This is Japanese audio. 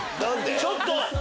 ちょっと！